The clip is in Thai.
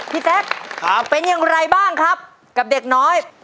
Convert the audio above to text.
พี่แซ่กเป็นอย่างไรบ้างครับกับเด็กน้อยครับครับ